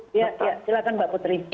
betapa silahkan mbak putri